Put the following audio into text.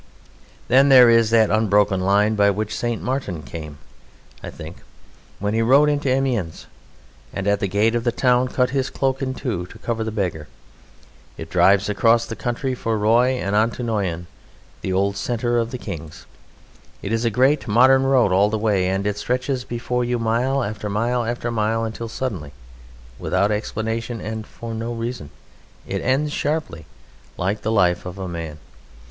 Then there is that unbroken line by which St. Martin came, I think, when he rode into Amiens, and at the gate of the town cut his cloak in two to cover the beggar. It drives across country for Roye and on to Noyon, the old centre of the Kings. It is a great modern road all the way, and it stretches before you mile after mile after mile, until suddenly, without explanation and for no reason, it ends sharply, like the life of a man.